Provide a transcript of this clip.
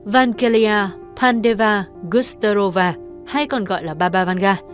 văn kê li a pandeva gusterova hay còn gọi là bà bà văn gà